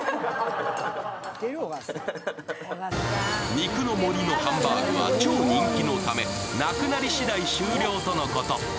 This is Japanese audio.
肉の森のハンバーグは超人気のためなくなりしだい終了とのこと。